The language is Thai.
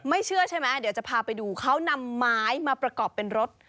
เชื่อใช่ไหมเดี๋ยวจะพาไปดูเขานำไม้มาประกอบเป็นรถ